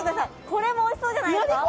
これもおいしそうじゃないですか？